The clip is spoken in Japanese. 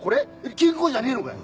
金庫じゃねえのかよ！